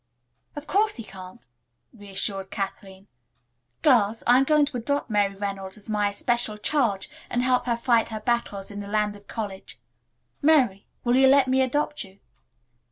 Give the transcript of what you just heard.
"Of course he can't," reassured Kathleen. "Girls, I'm going to adopt Mary Reynolds as my especial charge and help her fight her battles in the Land of College. Mary, will you let me adopt you?"